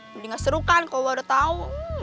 mendingan seru kan kalo gue udah tau